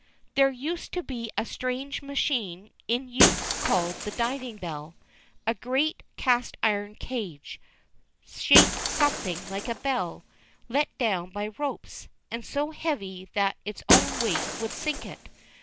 There used to be a strange machine in use called the "diving bell." A great cast iron cage, shaped something like a bell, let down by ropes, and so heavy that its own weight would sink it.